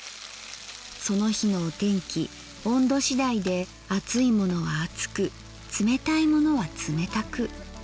その日のお天気温度次第で熱いものは熱く冷たいものは冷たく。